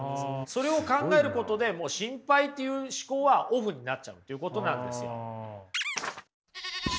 それを考えることで心配っていう思考はオフになっちゃうということなんですよ。